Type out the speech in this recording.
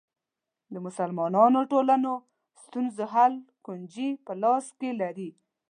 د مسلمانو ټولنو ستونزو حل کونجي په لاس کې لري.